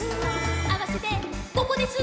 「あわせて５こです」